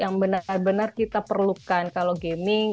yang benar benar kita perlukan kalau gaming